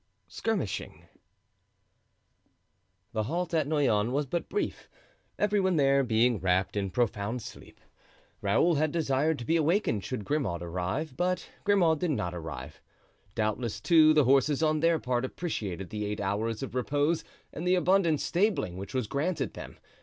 Skirmishing. The halt at Noyon was but brief, every one there being wrapped in profound sleep. Raoul had desired to be awakened should Grimaud arrive, but Grimaud did not arrive. Doubtless, too, the horses on their part appreciated the eight hours of repose and the abundant stabling which was granted them.